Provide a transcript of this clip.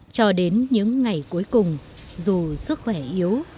cho đến những ngày cuối cùng dù sức khỏe yếu